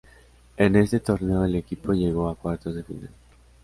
En este torneo el equipo llegó a cuartos de final.